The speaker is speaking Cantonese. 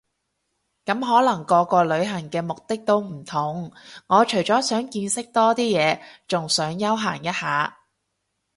咁可能個個旅行嘅目的都唔同我除咗想見識多啲嘢，仲想休閒一下